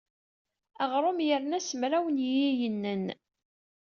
Aɣrum yerna s mraw n yiyenen.